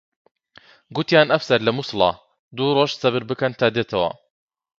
گوتیان ئەفسەر لە مووسڵە، دوو ڕۆژ سەبر بکەن تا دێتەوە